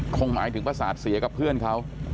คงหมายถึงประสาทเสียกับเพื่อนเขา